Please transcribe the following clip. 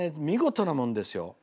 見事なもんですよ。